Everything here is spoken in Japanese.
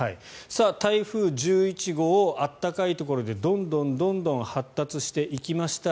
台風１１号、暖かいところでどんどん発達していきました。